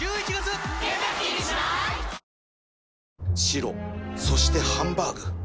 白そしてハンバーグ